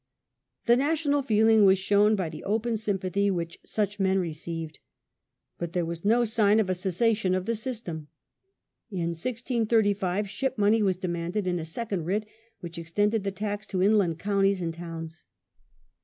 The national feeling was shown by the open sympathy which such men received. But there was no sign of a cessation of the system. In 1635 Ship money sovereignty was demanded in a second writ which ex ofidngorof tended the tax to inland counties and towns.